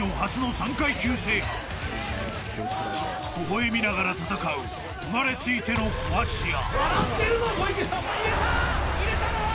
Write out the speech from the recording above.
［微笑みながら戦う生まれついての壊し屋］